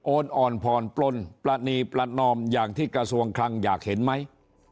อ่อนผ่อนปลนปรณีประนอมอย่างที่กระทรวงคลังอยากเห็นไหม